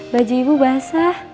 baju ibu basah